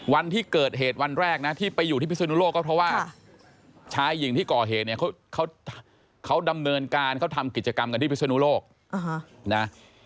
วันที่เกิดเหตุวันแรกนะที่ไปอยู่ที่พิศนุโลกก็เพราะว่าชายหญิงที่ก่อเหตุเนี่ยเขาดำเนินการเขาทำกิจกรรมกันที่พิศนุโลกนะ